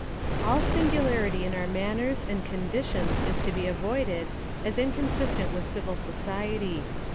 All singularity in our manners and conditions is to be avoided, as inconsistent with civil society.